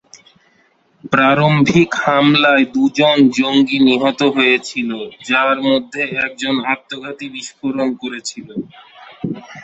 প্রারম্ভিক হামলায় দু'জন জঙ্গি নিহত হয়েছিলো, যার মধ্যে একজন আত্মঘাতী বিস্ফোরণ করেছিল।